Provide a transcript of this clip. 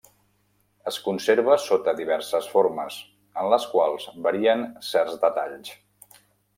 Es conserva sota diverses formes, en les quals varien certs detalls.